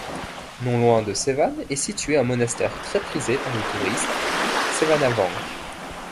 Non loin de Sevan est situé un monastère très prisé par les touristes, Sevanavank.